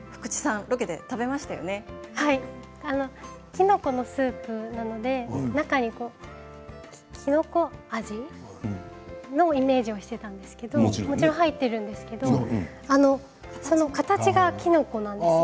きのこのスープなので中にきのこ味をイメージをしていたんですけどもちろん入っているんですけどその形がきのこなんです。